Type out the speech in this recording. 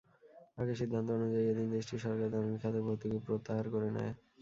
আগের সিদ্ধান্ত অনুযায়ী এদিন দেশটির সরকার জ্বালানি খাতের ভর্তুকি প্রত্যাহার করে নেয়।